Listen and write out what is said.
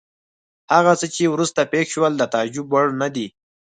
هغه څه چې وروسته پېښ شول د تعجب وړ نه دي.